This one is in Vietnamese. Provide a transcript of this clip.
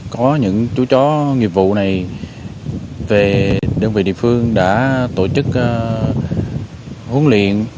có những chú chó nghiệp vụ này về đơn vị địa phương đã tổ chức huấn luyện